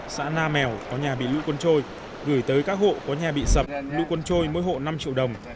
xã na mèo có nhà bị lũ quân trôi gửi tới các hộ có nhà bị sập lũ quân trôi mỗi hộ năm triệu đồng